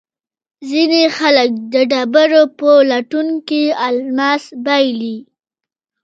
ځینې خلک د ډبرو په لټون کې الماس بایلي.